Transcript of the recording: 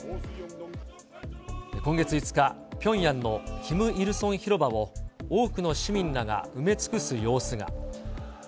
今月５日、ピョンヤンのキム・イルソン広場を、多くの市民らが埋め尽くす様子が。